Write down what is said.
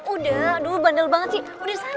udah aduh bandel banget sih udah saya